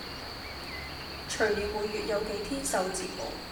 除了每月有幾天受折磨